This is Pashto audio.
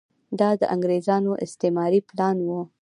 دا د انګریزانو استعماري پلان و.